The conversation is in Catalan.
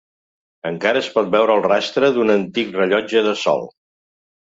Encara es pot veure el rastre d'un antic rellotge de sol.